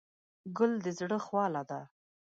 ګل د زړه خواله ده.